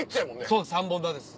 そう３本立てです。